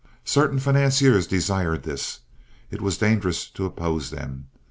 Certain financiers desired this. It was dangerous to oppose them.